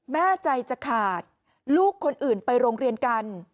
แม่ใจจะขาดลูกคนอื่นไปโรงเรียนกัน